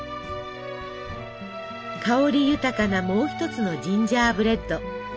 香り豊かなもう一つのジンジャーブレッド。